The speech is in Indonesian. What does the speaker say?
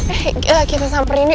eh kita samperin yuk